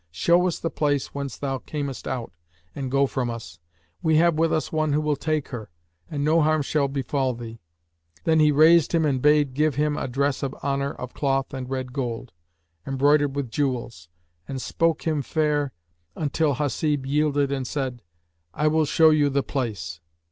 Show us the place whence thou camest out and go from us; we have with us one who will take her, and no harm shall befall thee." Then he raised him and bade give him a dress of honour of cloth of red gold, embroidered with jewels, and spoke him fair till Hasib yielded and said, "I will show you the place."